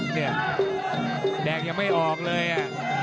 เนี่ยแดกยังไม่ออกเลยอะ